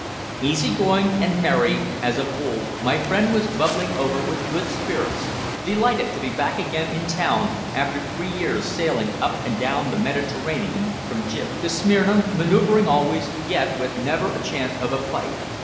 Easy going and merry as of old, my friend was bubbling over with good spirits, delighted to be back again in town after three years sailing up and down the Mediterranean, from Gib. to Smyrna, maneuvering always, yet with never a chance of a fight.